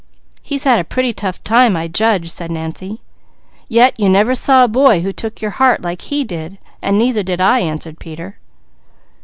"He's had a pretty tough time, I judge," said Nancy. "Yet you never saw a boy who took your heart like he did, and neither did I," answered Peter.